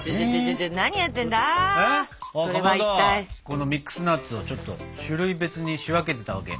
このミックスナッツをちょっと種類別に仕分けてたわけ。